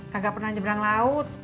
kagak pernah nyebrang laut